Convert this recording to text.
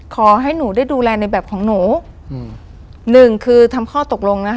ขอให้หนูได้ดูแลในแบบของหนู๑คือทำข้อตกลง